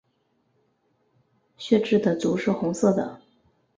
血雉的足是红色的。